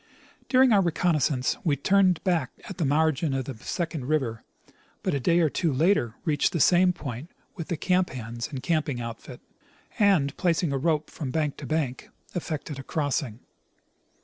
During our reconnoissance we turned back at the margin of the second river,' but a day or two later reached the same point with the camp hands and camping outfit, and, placing a rope .from bank to bank, effected a crossing.